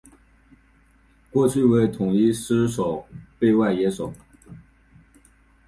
过去为统一狮守备外野手。